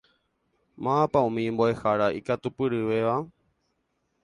Mávapa umi mboʼehára ikatupyryvéva?